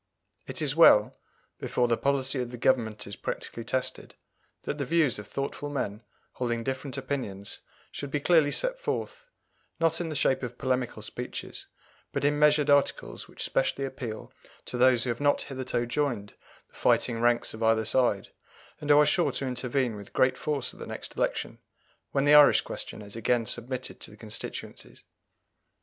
It is well, before the policy of the Government is practically tested, that the views of thoughtful men holding different opinions should be clearly set forth, not in the shape of polemical speeches, but in measured articles which specially appeal to those who have not hitherto joined the fighting ranks of either side, and who are sure to intervene with great force at the next election, when the Irish question is again submitted to the constituencies.